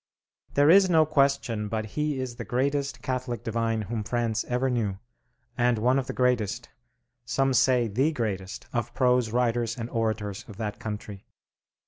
There is no question but he is the greatest Catholic divine whom France ever knew, and one of the greatest, some say the greatest, of prose writers and orators of that country.